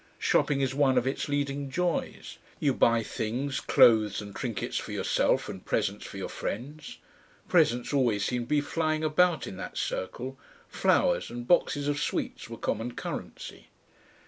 Shopping is one of its leading joys. You buy things, clothes and trinkets for yourself and presents for your friends. Presents always seemed to be flying about in that circle; flowers and boxes of sweets were common currency.